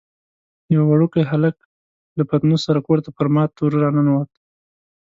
یو وړوکی هلکی له پتنوس سره کور ته پر مات وره راننوت.